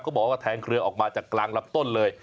บอกว่าแทงเครือออกมาจากกลางลำต้นเลย